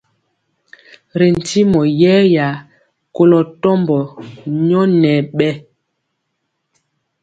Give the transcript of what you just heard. Ri ntimɔ yɛya koló tɔmba nyɔ nya bɛɛ.